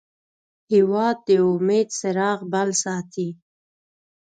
هېواد د امید څراغ بل ساتي.